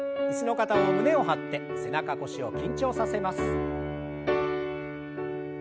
椅子の方も胸を張って背中腰を緊張させます。